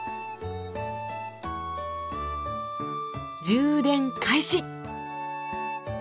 充電開始！